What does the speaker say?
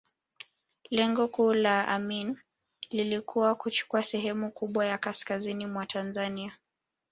Lengo kuu la Amin lilikuwa kuchukua sehemu kubwa ya kaskazini mwa Tanzania